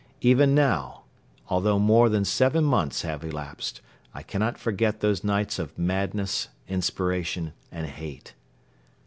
Even now, although more than seven months have elapsed, I cannot forget those nights of madness, inspiration and hate.